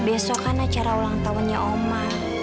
besok kan acara ulang tahunnya oma